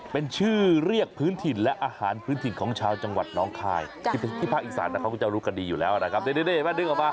เป็นชื่อเรียกพื้นถิ่นและอาหารพื้นถิ่นของชาวจังหวัดน้องคายที่ภาคอีสานเขาก็จะรู้กันดีอยู่แล้วนะครับดึงออกมา